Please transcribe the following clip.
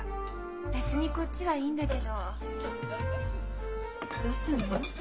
別にこっちはいいんだけどどうしたの？